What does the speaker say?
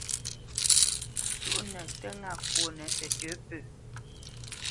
Cúʼnə tə́ ŋâ kwonə tətə̌ pə.